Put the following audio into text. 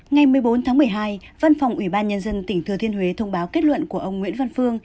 ngày một mươi bốn tháng một mươi hai văn phòng ủy ban nhân dân tỉnh thừa thiên huế thông báo kết luận của ông nguyễn văn phương